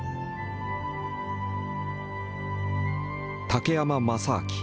竹山正明。